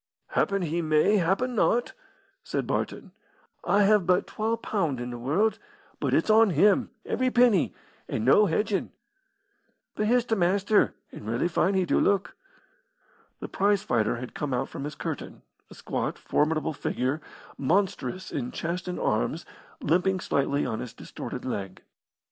"Happen he may happen not," said Barton. "I have but twa pund in the world, but it's on him, every penny, and no hedgin'. But here's t' Maister, and rarely fine he do look." The prize fighter had come out from his curtain, a squat, formidable figure, monstrous in chest and arms, limping slightly on his distorted leg.